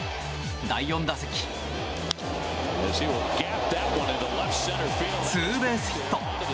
第４打席、ツーベースヒット。